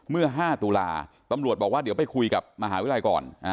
เมื่อ๕ตุลาตำรวจบอกว่าเดี๋ยวไปคุยกับมหาวิทยาลัยก่อน